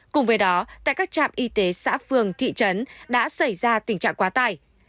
cùng với đó tại các trạm y tế xã phường thị trấn đã xảy ra tình trạng quá tải